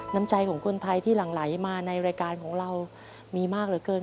น้ำใจของคนไทยที่หลั่งไหลมาในรายการของเรามีมากเหลือเกิน